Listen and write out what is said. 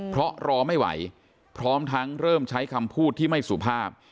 เพราะรอไม่ไหวพร้อมทั้งเริ่มใช้คำพูดที่ไม่สุภาพ